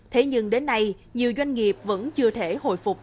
thế nhưng đến nay nhiều doanh nghiệp vẫn chưa thể hồi phục